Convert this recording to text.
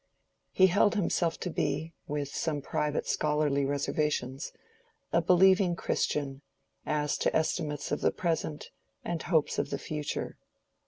He held himself to be, with some private scholarly reservations, a believing Christian, as to estimates of the present and hopes of the future.